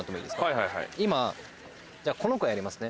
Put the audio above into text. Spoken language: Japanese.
今じゃあこの子やりますね。